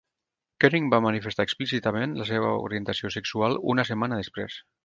Koering va manifestar explícitament la seva orientació sexual una setmana després.